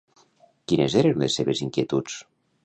Quines eren les seves inquietuds?